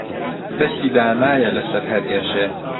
دەستی دانایە لەسەر هەر ئێشێ